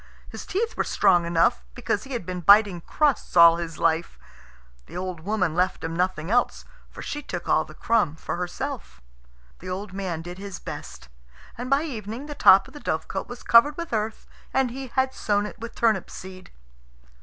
His teeth were strong enough, because he had been biting crusts all his life. The old woman left him nothing else, for she took all the crumb for herself. The old man did his best, and by evening the top of the dovecot was covered with earth, and he had sown it with turnip seed.